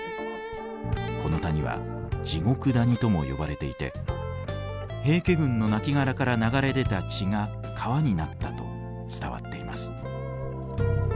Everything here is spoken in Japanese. この谷は地獄谷とも呼ばれていて平家軍の亡骸から流れ出た血が川になったと伝わっています。